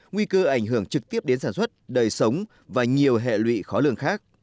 nguy cơ ảnh hưởng trực tiếp đến sản xuất đời sống và nhiều hệ lụy khó lường khác